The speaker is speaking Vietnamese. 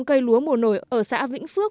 cây lúa mùa nổi ở xã vĩnh phước